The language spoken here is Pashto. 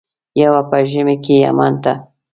یو په ژمي کې یمن ته.